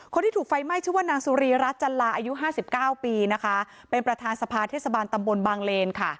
คนที่ถูกไฟไหม้ชื่อว่านางสุรีรัจจัลลาอายุ๕๙ปีเป็นประธานสภาเทศบาลตำบลบางเลน